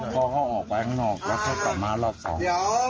พอเขาออกไปข้างนอกแล้วเขากลับมารอบสอง